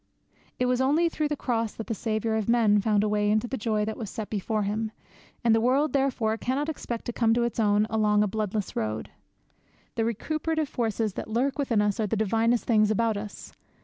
It was only through the Cross that the Saviour of men found a way into the joy that was set before Him, and the world therefore cannot expect to come to its own along a bloodless road. The recuperative forces that lurk within us are the divinest things about us.